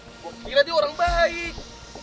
gue kira dia orang baik